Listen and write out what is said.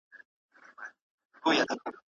دحكومت طرز او سياسي حكمت عمل ښايي ددي